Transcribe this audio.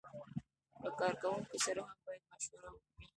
له کارکوونکو سره هم باید مشوره وکړي.